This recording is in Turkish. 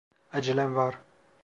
Acelem var.